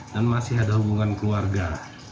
dan masih ada hubungan keluarga